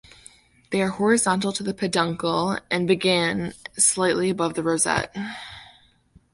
They are horizontal to the peduncle and begin slightly above the rosette.